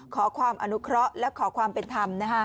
ขอความอนุเคราะห์และขอความเป็นธรรม